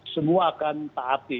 semua akan taati